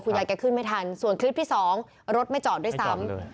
ยายแกขึ้นไม่ทันส่วนคลิปที่สองรถไม่จอดด้วยซ้ำ